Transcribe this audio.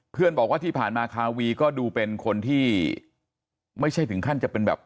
บอกว่าที่ผ่านมาคาวีก็ดูเป็นคนที่ไม่ใช่ถึงขั้นจะเป็นแบบ